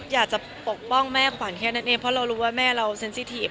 อยากจะปกป้องแม่ขวัญแค่นั้นเองเพราะเรารู้ว่าแม่เราเซ็นซี่ทีฟ